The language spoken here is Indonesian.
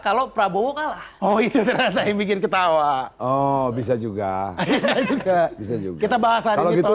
kalau prabowo kalah oh itu rana yang bikin ketawa oh bisa juga kita bahas hari ini